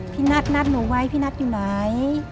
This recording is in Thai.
พี่นัทนัดหนูไว้พี่นัทอยู่ไหน